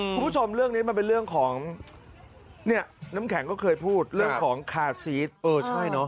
คุณผู้ชมเรื่องนี้มันเป็นเรื่องของเนี่ยน้ำแข็งก็เคยพูดเรื่องของคาซีสเออใช่เนอะ